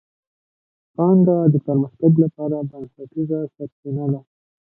پانګه د پرمختګ لپاره بنسټیزه سرچینه ده.